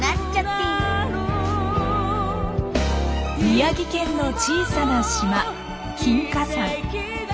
宮城県の小さな島金華山。